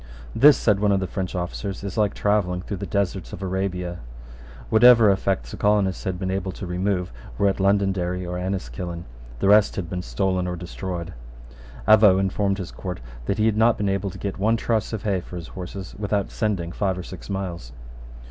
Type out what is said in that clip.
"This," said one of the French officers, "is like travelling through the deserts of Arabia." Whatever effects the colonists had been able to remove were at Londonderry or Enniskillen. The rest had been stolen or destroyed. Avaux informed his court that he had not been able to get one truss of hay for his horses without sending five or six miles.